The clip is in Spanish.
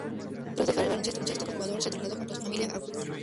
Tras dejar el baloncesto como jugador, se trasladó junto a su familia a Whittier.